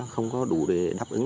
không có đủ để đáp ứng